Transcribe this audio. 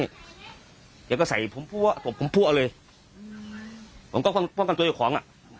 เดี๋ยวก็ใส่ผมพัวตบผมพั่วเลยผมก็ป้องกันตัวเจ้าของอ่ะ